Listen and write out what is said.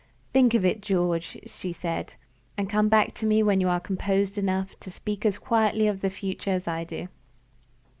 "Think of it, George," she said. "And come back to me when you are composed enough to speak as quietly of the future as I do."